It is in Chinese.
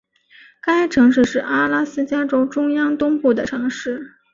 该城市是阿拉斯加州中央东部的城市。